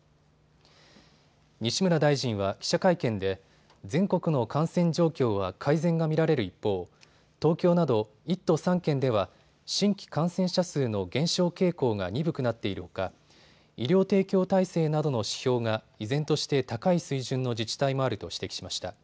西村大臣は記者会見で全国の感染状況は改善が見られる一方、東京など１都３県では新規感染者数の減少傾向が鈍くなっているほか医療提供体制などの指標が依然として高い水準の自治体もあると指摘しました。